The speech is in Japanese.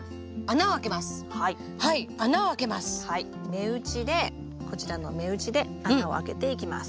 目打ちでこちらの目打ちで穴をあけていきます。